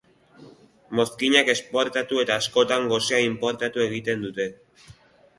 Mozkinak esportatu eta askotan gosea inportatu egiten dute.